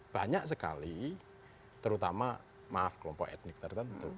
banyak sekali terutama maaf kelompok etnik tertentu